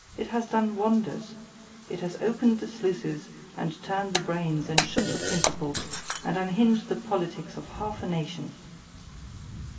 it has done wonders—It has open'd the sluices, and turn'd the brains, and shook the principles, and unhinged the politicks of half a nation.